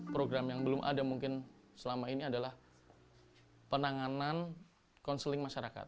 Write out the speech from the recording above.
program yang belum ada mungkin selama ini adalah penanganan counseling masyarakat